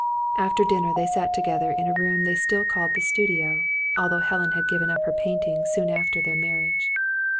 After dinner they sat together in a room they still called the studio, although Helen had given up her painting, soon after their marriage.